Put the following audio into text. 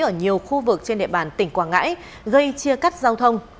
ở nhiều khu vực trên địa bàn tỉnh quảng ngãi gây chia cắt giao thông